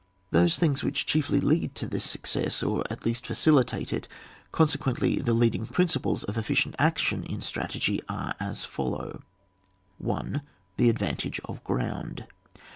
— ^Those things which chiefly lead to this success, or at least facilitate it, consequently the leading principles of efficient action in strategy, are as fol«> low :— 1. The advantage of ground.